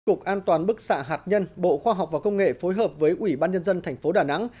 cục an toàn bức xạ hạt nhân bộ khoa học và công nghệ phối hợp với ủy ban nhân dân thành phố đà nẵng